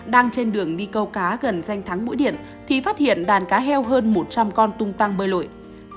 đang trên đường đi câu cá gần danh thắng mũi điện thì phát hiện đàn cá heo hơn một trăm linh con tung tăng bơi lội